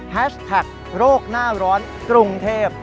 แฮชแท็กโรคน่าร้อนกรุงเทพ